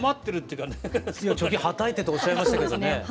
いや貯金はたいてとおっしゃいましたけどね。